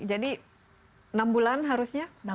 jadi enam bulan harusnya